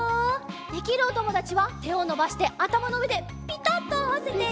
できるおともだちはてをのばしてあたまのうえでピタッとあわせて。